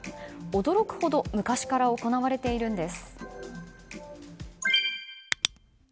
驚くほど昔から行われているんです。